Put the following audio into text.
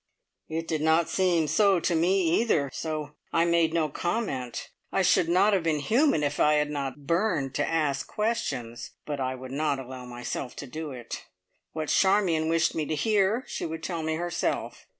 It did not seem so to me, either, so I made no comment. I should not have been human if I had not burned to ask questions, but I would not allow myself to do it. What Charmion wished me to hear, she would tell me herself.